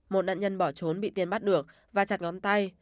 một nạn nhân bỏ trốn bị tiền bắt được và chặt ngón tay